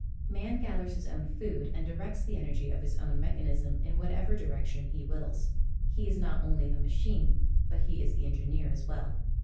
Man gathers his own food and directs the energy of his own mechanism in whatever direction he wills. He is not only the machine but he is the engineer as well.